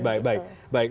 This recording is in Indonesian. baik baik baik